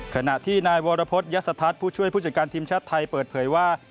ขณะที่นายวรพฤษยศทัศน์ผู้ช่วยผู้จัดการทีมชาติไทยเปิดเผยว่า